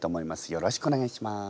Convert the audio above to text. よろしくお願いします。